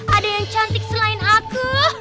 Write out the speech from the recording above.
ada yang cantik selain aku